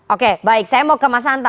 oke baik saya mau ke mas hanta